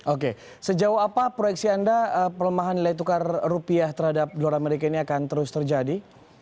oke sejauh apa proyeksi anda pelemahan nilai tukar rupiah terhadap dolar amerika ini akan terus terjadi